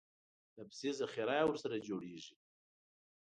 لفظي ذخیره یې ورسره جوړېږي.